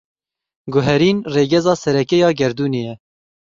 Guherîn, rêgeza sereke ya gerdûnê ye.